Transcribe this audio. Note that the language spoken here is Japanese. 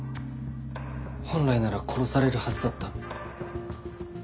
本来なら殺されるはずだった。